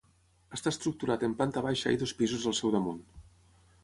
Està estructurat en planta baixa i dos pisos al seu damunt.